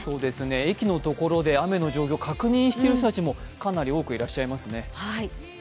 駅のところで雨の状況を確認している人たちもかなり多くいらっしゃいますね。